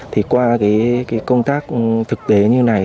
thì qua cái công tác thực tế như này